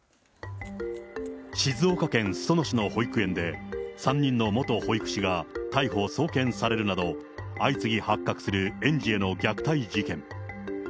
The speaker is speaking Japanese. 静岡県裾野市の保育園で、３人の元保育士が逮捕・送検されるなど、相次ぎ発覚する園児への虐待事件。